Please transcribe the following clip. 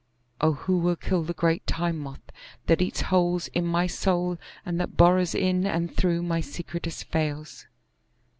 (O who will kill the great Time Moth that eats holes in my soul and that burrows in and through my secretest veils!)